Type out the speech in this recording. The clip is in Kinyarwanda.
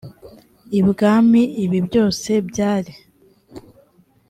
ibwami ibi byose byari